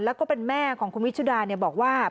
แล้วก็เป็นแม่ของคุณวิชุดาบอกว่า